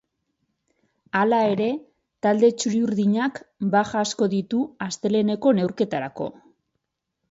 Hala ere, talde txuri-urdinak baja asko ditu asteleheneko neurketarako.